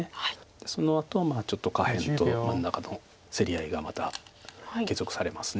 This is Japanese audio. そのあとはちょっと下辺と真ん中との競り合いがまた継続されます。